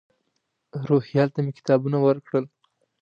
روهیال ته مې کتابونه ورکړل.